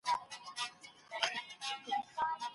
لنډې ویډیوګانې د مصنوعي تولید ځانګړتیا لري.